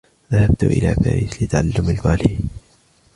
ذهبت إلى باريس لتعلّم الباليه.